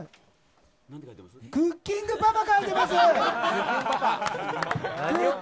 クッキングパパ描いてます！